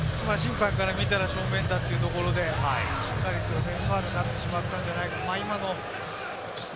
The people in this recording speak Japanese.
審判から見たら正面だというところで、しっかりオフェンスファウルになってしまったんじゃないかと。